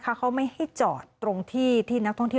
คนมาจอดแล้วเนี่ย